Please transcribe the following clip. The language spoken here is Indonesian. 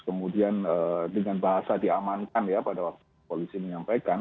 kemudian dengan bahasa diamankan ya pada waktu polisi menyampaikan